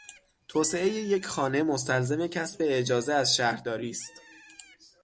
توسعهی یک خانه مستلزم کسب اجازه از شهرداری است.